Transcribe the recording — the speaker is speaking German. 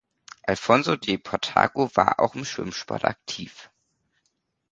Alfonso de Portago war auch im Schwimmsport aktiv.